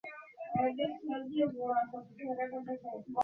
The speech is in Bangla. তোমার দায় আমি নেব।